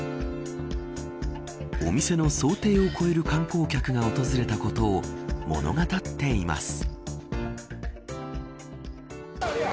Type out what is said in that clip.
お店の想定を超える観光客が訪れたことを物語っています。